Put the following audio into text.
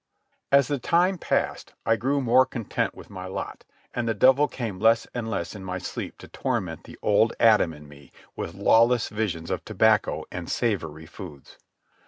As the time passed, I grew more contented with my lot, and the devil came less and less in my sleep to torment the old Adam in me with lawless visions of tobacco and savoury foods.